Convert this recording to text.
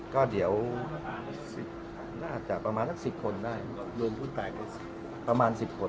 ก็เดี๋ยวน่าจะประมาณสักสิบคนได้โดยพูดแปลกก็สิประมาณสิบคน